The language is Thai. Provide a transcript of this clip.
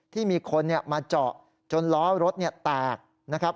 ที่มีคนมาเจาะจนล้อรถแตกนะครับ